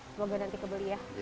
semoga nanti kebeli ya